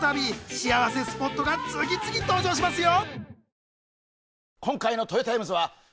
幸せスポットが次々登場しますよ！